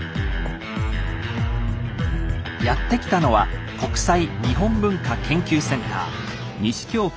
やって来たのは国際日本文化研究センター。